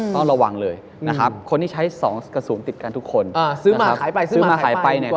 ต้องระวังเลยนะครับคนที่ใช้สองกระสุนติดกันทุกคนซื้อมาหายไปซื้อมาหายไปเนี่ย